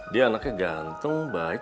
dia anaknya ganteng baik